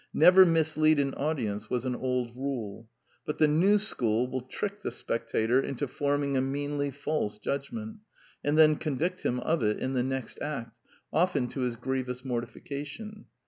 Never mis lead an audience, was an old rule. But the new school will trick the spectator into forming a meanly false judgment, and then convict him of it in the next act, often to his grievous mortifi cation.